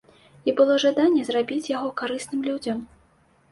І было жаданне зрабіць яго карысным людзям.